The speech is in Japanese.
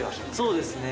そうですね。